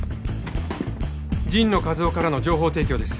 神野和雄からの情報提供です。